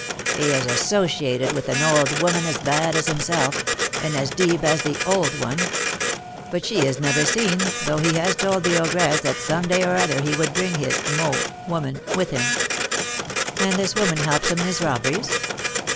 "He is associated with an old woman as bad as himself, and as deep as the 'old one;' but she is never seen, though he has told the ogress that some day or other he would bring his 'mot' (woman) with him." "And this women helps him in his robberies?"